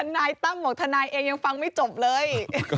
นายตั้มบอกทนายเองยังฟังไม่จบเลย